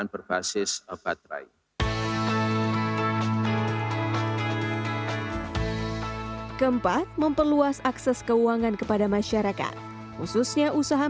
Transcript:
berbasis baterai keempat memperluas akses keuangan kepada masyarakat khususnya usaha